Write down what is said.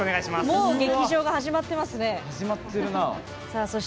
もう劇場が始まってますね。